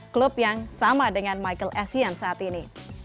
klub yang sama dengan michael essien saat ini